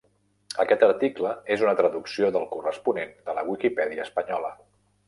Aquest article és una traducció del corresponent de la Wikipedia espanyola.